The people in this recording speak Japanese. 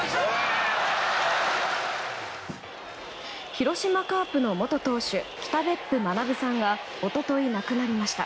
広島カープの元投手北別府学さんが一昨日、亡くなりました。